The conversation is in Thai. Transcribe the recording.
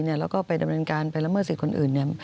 แล้วก็ไปดำเนินการไปละเมิดสิทธิ์คนอื่น